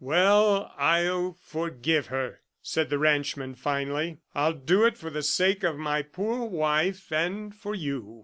"Well, I'll forgive her," said the ranchman finally. "I'll do it for the sake of my poor wife and for you.